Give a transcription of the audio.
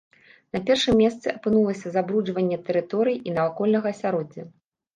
На першым месцы апынулася забруджванне тэрыторыі і навакольнага асяроддзя.